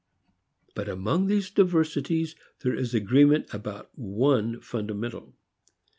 But among these diversities there is agreement about one fundamental.